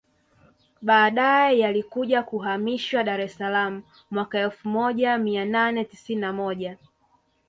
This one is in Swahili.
Baadae yalikuja kuhamishiwa Dar es salaam mwaka elfu moja mia nane tisini na moja